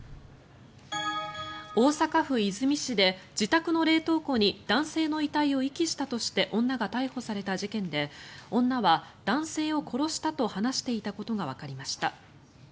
大阪府和泉市で自宅の冷凍庫に男性の遺体を遺棄したとして女が逮捕された事件で女は男性を殺したと話していたことがわかりました。